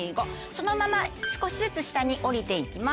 そのまま少しずつ下に下りて行きます。